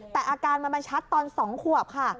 แต่อาการมันมาชัดตอน๒ขวบค่ะ